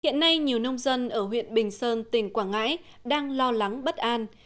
hiện nay nhiều nông dân ở huyện bình sơn tỉnh quảng ngãi đang lo lắng bất an